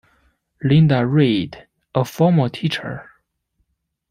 Linda Reid, a former teacher.